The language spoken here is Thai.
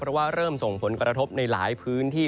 เพราะว่าเริ่มส่งผลกระทบในหลายพื้นที่